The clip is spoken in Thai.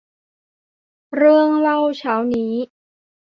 เรื่องเล่าเช้านี้